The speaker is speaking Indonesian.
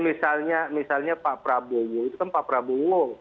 misalnya pak prabowo itu kan pak prabowo